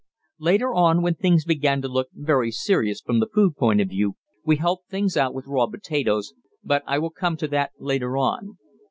Later on, when things began to look very serious from the food point of view, we helped things out with raw potatoes, but I will come to that later on.